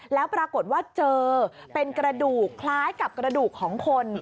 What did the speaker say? แล้วปรากฏว่าเจอเป็นกระดูกคล้ายกับกระดูกของคน